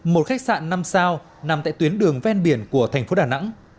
một khách sạn năm sao nằm tại tuyến đường ven biển của thành phố đà nẵng